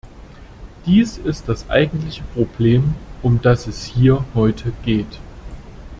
Dies ist das eigentliche Problem, um das es hier heute geht.